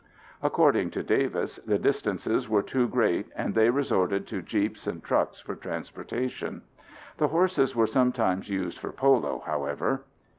According to Davis the distances were too great and they resorted to jeeps and trucks for transportation. The horses were sometimes used for polo, however.